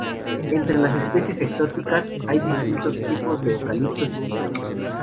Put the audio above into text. Entre las especies exóticas hay distintos tipos de eucaliptos y pinos.